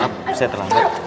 maaf saya terlambat